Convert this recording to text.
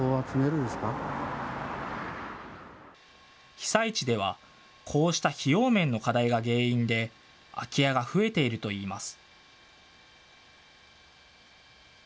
被災地では、こうした費用面の課題が原因で、空き家が増えているといいます。